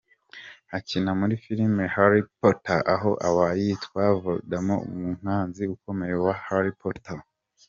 Akina muri filime ‘Harry Potter’ aho aba yitwa Valdemort umwanzi ukomeye wa Harry Potter.